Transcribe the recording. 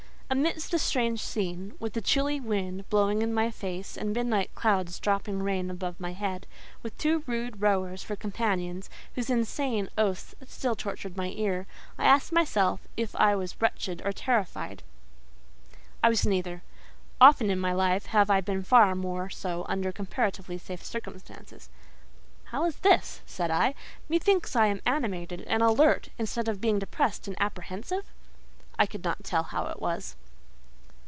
Amidst the strange scene, with a chilly wind blowing in my face and midnight clouds dropping rain above my head; with two rude rowers for companions, whose insane oaths still tortured my ear, I asked myself if I was wretched or terrified. I was neither. Often in my life have I been far more so under comparatively safe circumstances. "How is this?" said I. "Methinks I am animated and alert, instead of being depressed and apprehensive?" I could not tell how it was.